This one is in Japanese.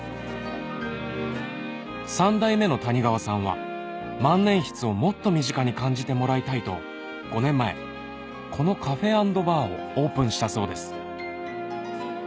３代目の谷川さんは万年筆をもっと身近に感じてもらいたいと５年前このカフェ＆バーをオープンしたそうです